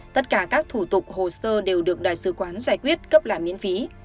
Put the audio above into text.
tất cả các thủ tục hồ sơ đều được đại sứ quán giải quyết cấp lại miễn phí